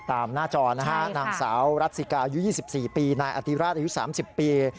ตามหน้าจอน่ะค่ะนางสาวรัตซิกาอายุ๒๔ปีนายอลิทราชอายุ๓๐ปี